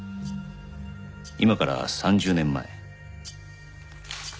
今から３０年前。